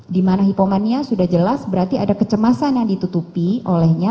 di mana hipomania sudah jelas berarti ada kecemasan yang ditutupi olehnya